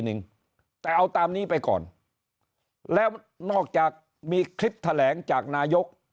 หนึ่งแต่เอาตามนี้ไปก่อนแล้วนอกจากมีคลิปแถลงจากนายก